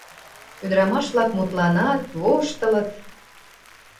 Ӱдырамаш-влак мутланат, воштылыт.